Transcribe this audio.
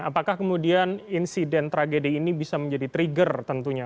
apakah kemudian insiden tragedi ini bisa menjadi trigger tentunya